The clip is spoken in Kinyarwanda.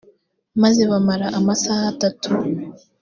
maze bamara amasaha atatu